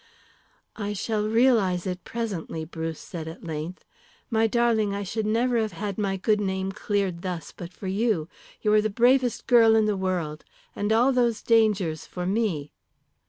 "I shall realise it presently," Bruce said at length. "My darling, I should never have had my good name cleared thus but for you. You are the bravest girl in the world. And all those dangers for me!"